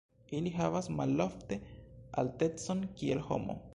Ili havas malofte altecon kiel homo.